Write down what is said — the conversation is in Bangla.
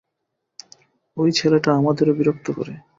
ওই ছেলেটা আমাদেরও বিরক্ত করে।